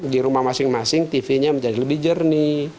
di rumah masing masing tv nya menjadi lebih jernih